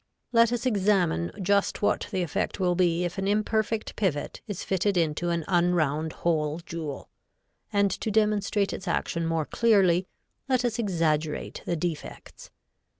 Let us examine just what the effect will be if an imperfect pivot is fitted into an unround hole jewel, and to demonstrate its action more clearly let us exaggerate the defects.